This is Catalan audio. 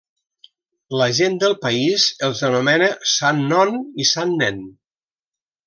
La gent del país els anomena Sant Non i Sant Nen.